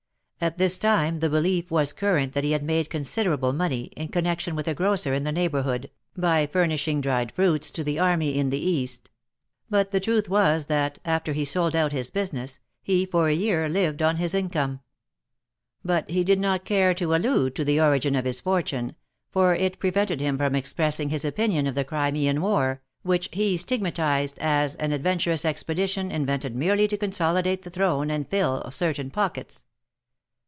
At this time the belief was current that he had made considerable money, in connection with a grocer in the neighborhood, by furnishing dried fruits to the army in the East ; but the truth was that, after he sold out his business, he, for a year, lived on his income. But he did not care to allude to the origin of his fortune, for it prevented him from expressing his opinion of the Crimean war, which he stig matized ^^as an adventurous expedition, invented merely to consolidate the throne and fill certain pockets."